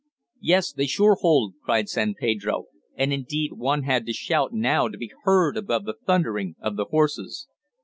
"Yes, they sure hold," cried San Pedro, and indeed one had to shout now to be heard above the thundering of the horses.